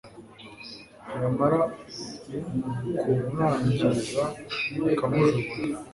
yamara kumwangiza akamujugunya